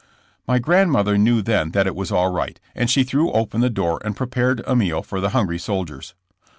My grandmother knew then that it was all right, and she threw open the door and prepared a meal for the hungry soldiers.